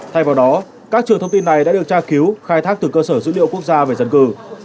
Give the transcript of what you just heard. thay vào đó các trường thông tin này đã được tra cứu khai thác từ cơ sở dữ liệu quốc gia về dân cư